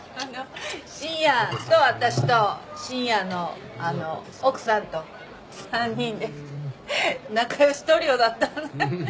深夜と私と深夜の奥さんと３人で仲良しトリオだったのよ。